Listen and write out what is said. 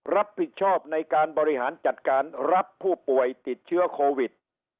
รับผิดชอบในการบริหารจัดการรับผู้ป่วยติดเชื้อโควิด